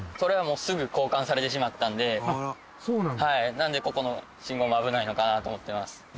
なのでここの信号も危ないのかなと思っています。